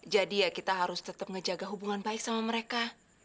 jadi ya kita harus tetep ngejaga hubungan baik sama mereka